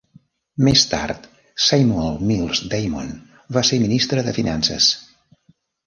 Més tard, Samuel Mills Damon va ser ministre de finances.